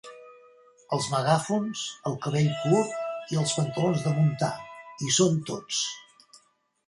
Els megàfons, el cabell curt i els pantalons de muntar hi són tots.